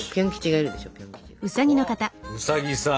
あウサギさん！